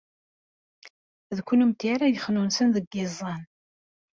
D kennemti ara yexnunsen deg yiẓẓan.